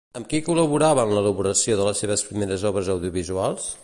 Amb qui col·laborava en l'elaboració de les seves primeres obres audiovisuals?